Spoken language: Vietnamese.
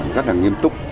rất là nghiêm túc